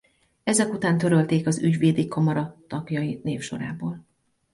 Ezek után törölték az ügyvédi kamara tagjai névsorából.